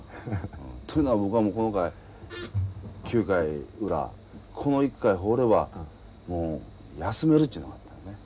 というのは僕はこの回９回裏この１回放ればもう休めるっちゅうのがあったんだね。